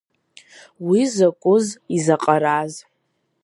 Уи закәыз, изаҟараз…